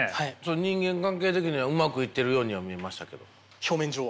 人間関係的にはうまくいっているようには見えましたけれど。